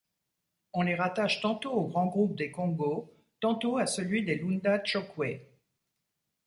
On les rattache tantôt au grand groupe des Kongo, tantôt à celui des Lunda-Tchokwe.